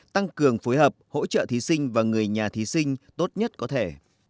tăng cường phối hợp hỗ trợ thí sinh và người nhà thí sinh tốt nhất có thể